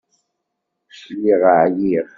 Lliɣ ɛyiɣ.